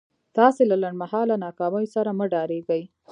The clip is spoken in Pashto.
تاسې له لنډ مهاله ناکاميو سره مه ډارېږئ.